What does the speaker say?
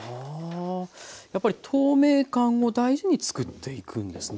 やっぱり透明感を大事につくっていくんですね。